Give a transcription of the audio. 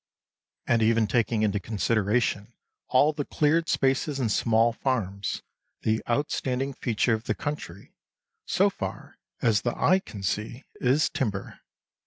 And even taking into consideration all the cleared spaces and small farms, the outstanding feature of the country, so far as the eye can see, is timber.